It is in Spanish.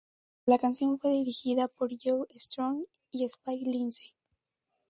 La canción fue dirigida por Joe Strange y Spike Lindsey.